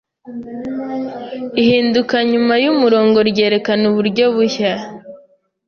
" Ihinduka nyuma y'umurongo ryerekana uburyo buhya